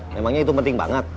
memangnya itu penting banget